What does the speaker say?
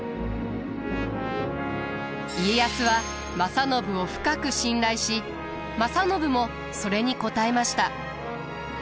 家康は正信を深く信頼し正信もそれに応えました。